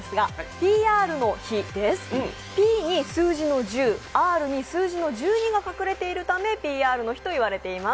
Ｐに数字の１０、Ｒに数字の１２が隠れているためＰＲの日といわれています。